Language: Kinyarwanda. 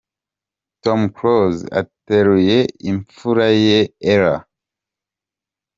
Tom Close ateruye impfura ye Ella.